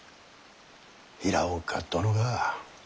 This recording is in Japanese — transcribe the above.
平岡殿が。